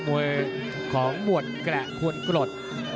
มวยของหมวดกระควรกรด